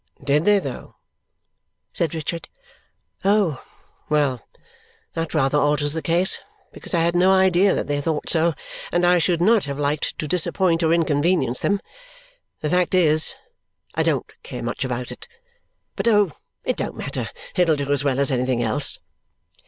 "Did they though?" said Richard. "Oh! Well, that rather alters the case, because I had no idea that they thought so, and I should not have liked to disappoint or inconvenience them. The fact is, I don't care much about it. But, oh, it don't matter! It'll do as well as anything else!"